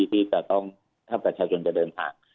ที่จะต้องถ้าประชาชนจะเดินทาง